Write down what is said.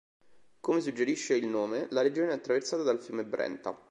Come suggerisce il nome, la regione è attraversata dal fiume Brenta.